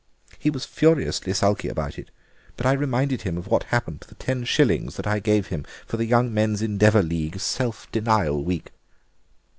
He was furiously sulky about it, but I reminded him of what happened to the ten shillings that I gave him for the Young Men's Endeavour League 'Self Denial Week.